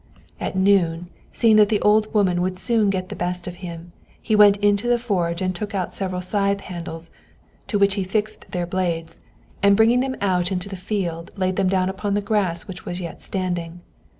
At noon, seeing that the old woman would soon get the best of him, he went into the forge and took out several scythe handles, to which he fixed their blades, and bringing them out into the field, laid them down upon the grass which was yet standing.